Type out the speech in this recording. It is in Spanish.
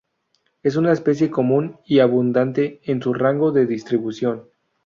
Es una especie común y abundante en su rango de distribución.